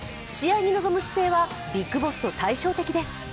試合に臨む姿勢はビッグボスと対照的です。